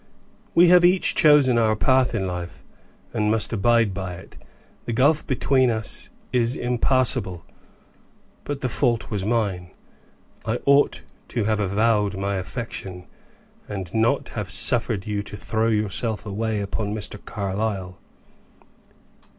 We have each chosen our path in life, and must abide by it; the gulf between us is impassable but the fault was mine. I ought to have avowed my affection, and not have suffered you to throw yourself away upon Mr. Carlyle."